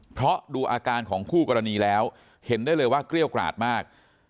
เพราะดูอาการของคู่กรณีแล้วเห็นได้เลยว่าเกรี้ยวกราดมาก